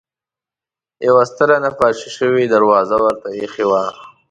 یوه ستره نقاشي شوې دروازه ورته اېښې وه.